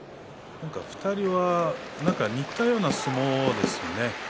２人は似たような相撲ですね。